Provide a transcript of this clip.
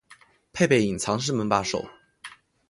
配备隐藏式门把手